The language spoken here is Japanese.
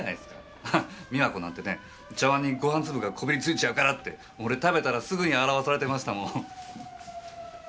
あっ美和子なんてね茶碗にご飯粒がこびりついちゃうからって俺食べたらすぐに洗わされてましたもん。